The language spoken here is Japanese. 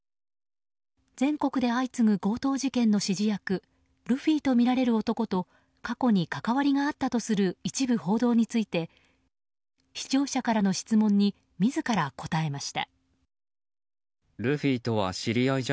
全国で相次ぐ強盗事件の指示役ルフィとみられる男と過去に関わりがあったとする一部報道について視聴者からの質問に自ら答えました。